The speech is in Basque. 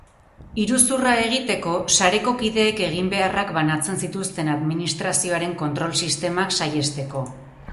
Iruzurra egiteko, sareko kideek eginbeharrak banatzen zituzten administrazioaren kontrol sistemak saihesteko.